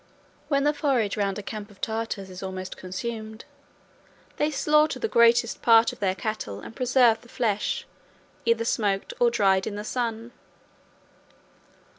When the forage round a camp of Tartars is almost consumed, they slaughter the greatest part of their cattle, and preserve the flesh, either smoked, or dried in the sun.